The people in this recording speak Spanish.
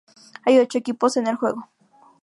Hay ocho equipos en el juego.